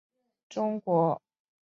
该物种的模式产地在中国。